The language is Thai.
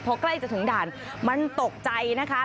พอใกล้จะถึงด่านมันตกใจนะคะ